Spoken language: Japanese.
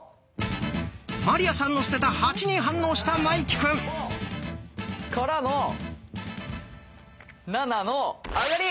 鞠杏さんの捨てた「８」に反応した茉生くん！からの７のあがり！